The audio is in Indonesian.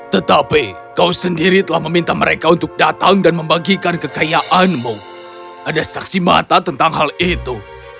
tetapi kau sendiri telah meminta mereka untuk datang dan membagikan kekayaanmu ada saksi mata tentang hal itu